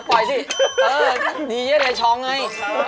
ปล่อยสิดีเยี่ยมในช้องไง